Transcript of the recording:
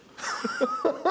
ハハハ。